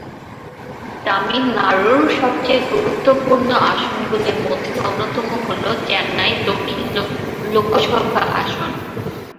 তামিলনাড়ুর সবচেয়ে গুরুত্বপূর্ণ আসনগুলির মধ্যে অন্যতম হল চেন্নাই দক্ষিণ লোকসভা আসন।